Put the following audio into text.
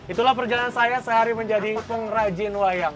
itulah perjalanan saya sehari menjadi pengrajin wayang